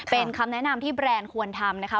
เป็นคำแนะนำที่แบรนด์ควรทำนะคะ